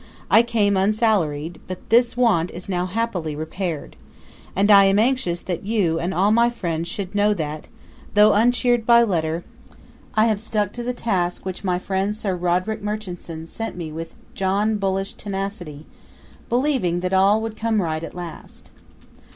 I came unsalaried, but this want is now happily repaired, and I am anxious that you and all my friends should know that, though uncheered by letter, I have stuck to the task which my friend Sir Roderick Murchison set me with "John Bullish" tenacity, believing that all would come right at last.